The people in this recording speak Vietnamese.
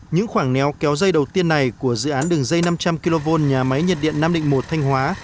những khoảng néo kéo dây đầu tiên này của dự án đường dây năm trăm linh kv nhà máy nhiệt điện nam định một thanh hóa